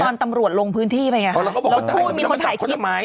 ตอนนั้นคือตอนตำรวจลงพื้นที่ไปอย่างเงี้ยแล้วพูดมีคนถ่ายคลิปไหม